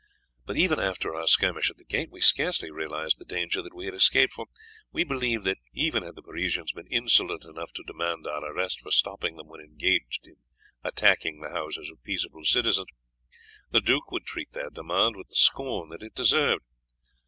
But even after our skirmish at the gate we scarcely realized the danger that we had escaped, for we believed that even had the Parisians been insolent enough to demand our arrest for stopping them when engaged in attacking the houses of peaceable citizens, the duke would treat their demand with the scorn that it deserved.